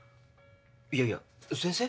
いやいや先生？